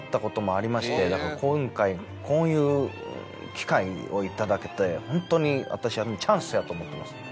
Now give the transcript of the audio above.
だから今回こういう機会を頂けてホントに私はチャンスやと思ってます。